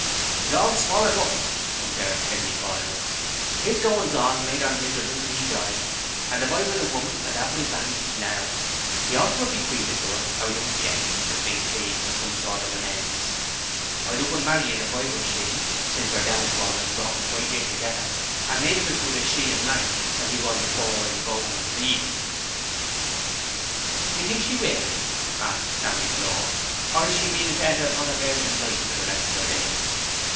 ''Tis all swallered up,' observed Hezzy Biles. 'His goings on made her miserable till 'a died, and if I were the woman I'd have my randys now. He ought to have bequeathed to her our young gent, Mr. St. Cleeve, as some sort of amends. I'd up and marry en, if I were she; since her downfall has brought 'em quite near together, and made him as good as she in rank, as he was afore in bone and breeding.' 'D'ye think she will?' asked Sammy Blore. 'Or is she meaning to enter upon a virgin life for the rest of her days?'